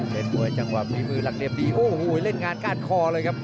เป็นมวยจังหวะฝีมือหลักเหลี่ยมดีโอ้โหเล่นงานก้านคอเลยครับ